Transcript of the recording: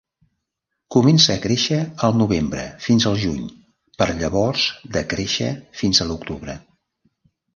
Comença a créixer al novembre fins al juny, per llavors decréixer fins a l'octubre.